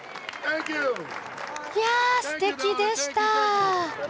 いやすてきでした！